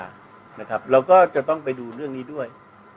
เราก็จะต้องไปดูเรื่องนี้ด้วย